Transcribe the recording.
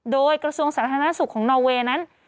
โดยกระทรวงสถานศึกษ์ของนอร์เวย์นั้น